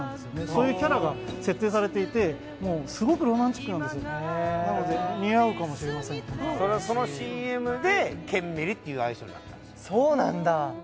そういうキャラが設定されていてすごくロマンチックなんですなので似合うかもしれませんそのＣＭでケンメリっていう愛称になったんですそうなんだ